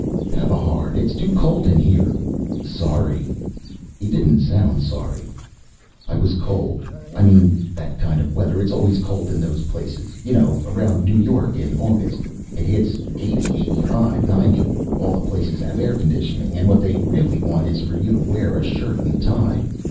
"Have a heart. It's too cold in here." "Sorry." He didn't sound sorry. I was cold. I mean that kind of weather, it's always cold in those places. You know around New York in August? It hits eighty, eighty five, ninety. All the places have air conditioning and what they really want is for you to wear a shirt and tie.